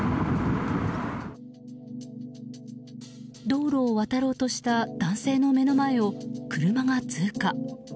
道路を渡ろうとした男性の目の前を車が通過。